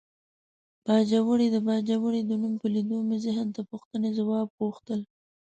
باجوړی د باجوړي د نوم په لیدو مې ذهن ته پوښتنې ځواب غوښتل.